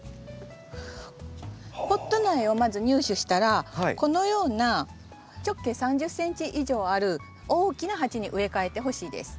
ポット苗をまず入手したらこのような直径３０ｃｍ以上ある大きな鉢に植え替えてほしいです。